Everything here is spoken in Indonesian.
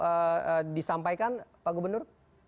apa yang perlu disampaikan pak gubernur